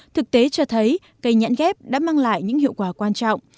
thực tế cho thấy cây nhãn ghép đã mang lại những hiệu quả quan trọng